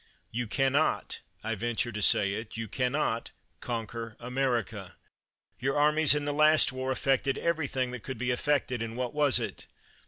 You can not, I venture to say it, you can not conquer America. Your armies in the last war effected every thing that could be effected; and what was it?